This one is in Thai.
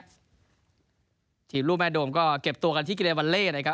แต่เอี๊ยะทีมลูกแม่โดมก็เก็บตัวกันที่กิเรนวันเล่นนะครับ